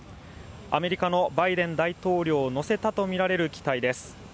アメリカのバイデン大統領を乗せたとみられる機体です。